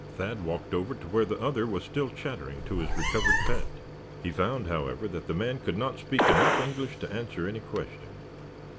Thad walked over to where the other was still chattering to his recovered pet. He found, however, that the man could not speak enough English to answer any question.